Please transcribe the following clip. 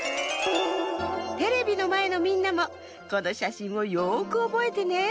テレビのまえのみんなもこのしゃしんをよくおぼえてね。